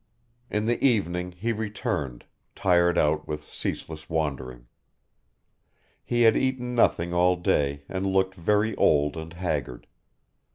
In the evening he returned, tired out with ceaseless wandering. He had eaten nothing all day and looked very old and haggard.